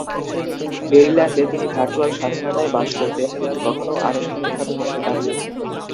মেরিল্যান্ডে, তিনি ভার্চুয়াল স্বাধীনতায় বাস করতেন কিন্তু কখনও আনুষ্ঠানিকভাবে মুক্তি পাননি।